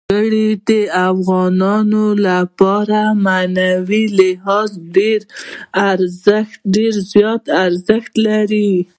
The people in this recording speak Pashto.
وګړي د افغانانو لپاره په معنوي لحاظ ډېر زیات ارزښت لري.